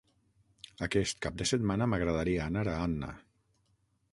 Aquest cap de setmana m'agradaria anar a Anna.